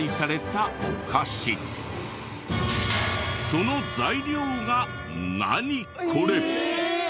その材料がナニコレ！？